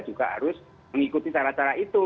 juga harus mengikuti cara cara itu